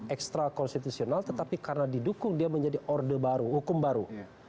ekstra konstitusional tetapi karena didukung dia menjadi orde baru hukum baru